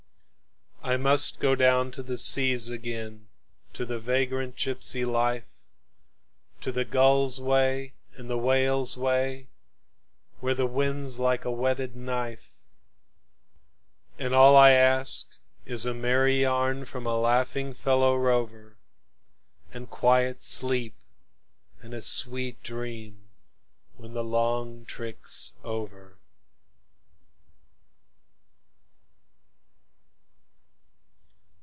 I must go down to the seas again, to the vagrant gypsy life, To the gull's way and the whale's way, where the wind's like a whetted knife; And all I ask is a merry yarn from a laughing fellow rover, And quiet sleep and a sweet dream when the long trick's over.